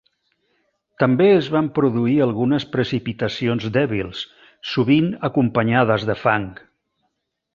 També es van produir algunes precipitacions dèbils, sovint acompanyades de fang.